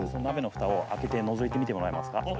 鍋のふたを開けてのぞいてみてもらえますか。